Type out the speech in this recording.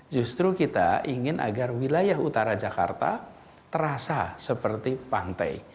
justru kita ingin agar wilayah utara jakarta terasa seperti pantai